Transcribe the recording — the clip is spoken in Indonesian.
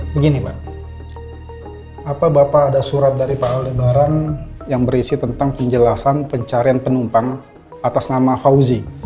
begini pak apa bapak ada surat dari pak lebaran yang berisi tentang penjelasan pencarian penumpang atas nama fauzi